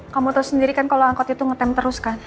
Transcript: kamu tahu sendiri kan kalau angkot itu ngetem terus kan